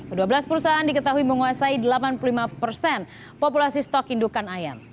kedua belas perusahaan diketahui menguasai delapan puluh lima persen populasi stok indukan ayam